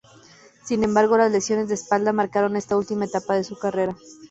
Sin embargo, las lesiones de espalda marcaron esta última etapa de su carrera.